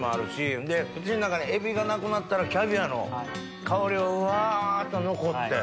ほんで口の中にエビがなくなったらキャビアの香りがふわっと残って。